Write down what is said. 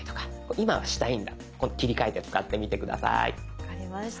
分かりました。